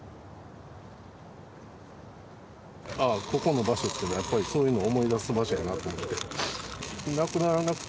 ここの場所っていうのはやっぱり、そういうのを思い出す場所やなと思って。